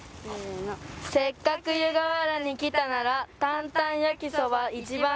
「せっかく湯河原に来たなら担々やきそば一番亭」